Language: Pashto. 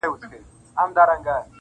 غورځولو ته د پلار یې ځان تیار کړ٫